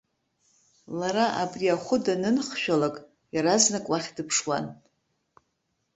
Лара абри ахәы данынхшәалак, иаразнак уахь дыԥшуан.